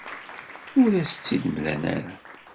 Ur as-tt-id-mlan ara.